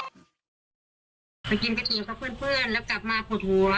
ฉันไปกินประเทียนของเพื่อนแล้วกลับมาผดหัว